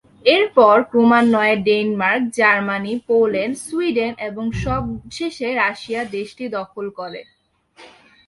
এরপর ক্রমান্বয়ে Denmark, Germany, Poland, Sweden এবং সবশেষে রাশিয়া দেশটি দখল করে।